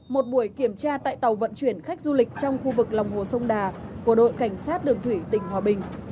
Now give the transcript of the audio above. một buổi kiểm tra tại tàu vận chuyển khách du lịch trong khu vực lòng hồ sông đà của đội cảnh sát đường thủy tỉnh hòa bình